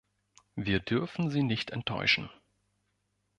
Wir dürfen sie nicht enttäuschen!